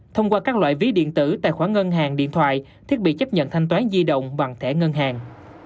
thông qua các loại ví điện tử tài khoản ngân hàng điện thoại thiết bị chấp nhận thanh toán di động bằng thẻ ngân hàng